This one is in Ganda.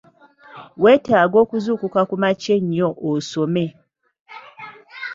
Weetaaga okuzuukuka ku makya ennyo osome.